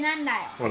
ほら。